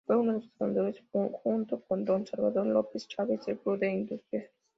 Fue de los fundadores junto con Don Salvador López Chávez del Club de Industriales.